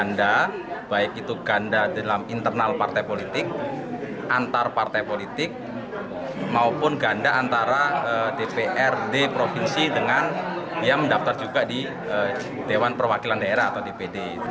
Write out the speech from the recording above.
ganda baik itu ganda dalam internal partai politik antar partai politik maupun ganda antara dprd provinsi dengan yang mendaftar juga di dewan perwakilan daerah atau dpd